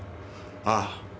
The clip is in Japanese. ああ。